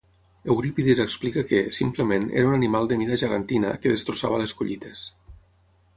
Eurípides explica que, simplement, era un animal de mida gegantina que destrossava les collites.